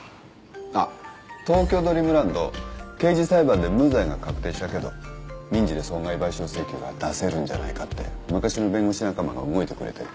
あっ東京ドリームランド刑事裁判で無罪が確定したけど民事で損害賠償請求が出せるんじゃないかって昔の弁護士仲間が動いてくれてる。